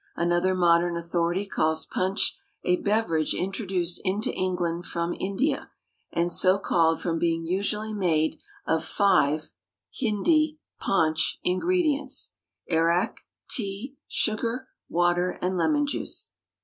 Another modern authority calls punch "a beverage introduced into England from India, and so called from being usually made of five (Hindi, panch) ingredients arrack, tea, sugar, water, and lemon juice."